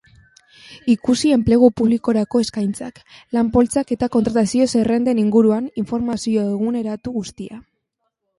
Ikusi Enplegu Publikorako Eskaintzak, lan-poltsak eta kontratazio-zerrenden inguruan informazio eguneratu guztia.